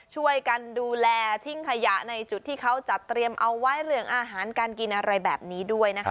ช่วยกันดูแลทิ้งขยะในจุดที่เขาจัดเตรียมเอาไว้เรื่องอาหารการกินอะไรแบบนี้ด้วยนะคะ